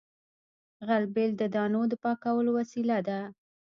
غلبېل د دانو د پاکولو وسیله ده